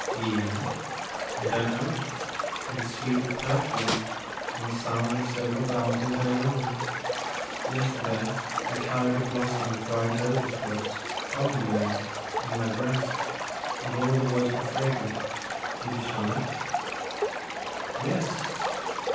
Yian ? I don't know. It is sweet with per fume and the sound of silver bells all day long. Yesterday I carried a blossom of dried lotus buds from Yian, in my breast, and all the woods were fragrant. Did you smell it ?" '*Yes."